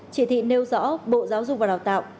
chỉ thị nêu rõ bộ giáo dục và đào tạo